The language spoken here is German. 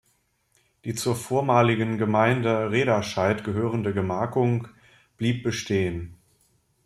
Die zur vormaligen Gemeinde Rederscheid gehörende Gemarkung blieb bestehen.